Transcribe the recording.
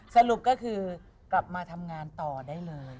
สรุปก็คือกลับมาทำงานต่อได้เลย